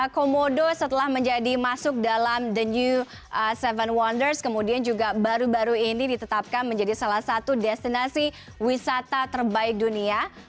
komodo setelah menjadi masuk dalam the new tujuh wonders kemudian juga baru baru ini ditetapkan menjadi salah satu destinasi wisata terbaik dunia